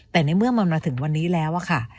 แต่ในเมื่อมาถึงวันนี้แล้ว